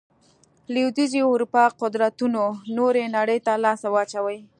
لوېدیځې اروپا قدرتونو نورې نړۍ ته لاس واچوي.